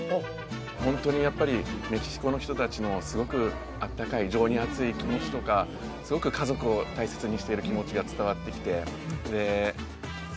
ホントにやっぱりメキシコの人達のすごくあったかい情に厚い気持ちとかすごく家族を大切にしている気持ちが伝わってきてです